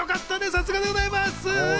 さすがでございます。